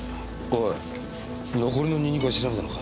おい残りのニンニクは調べたのか？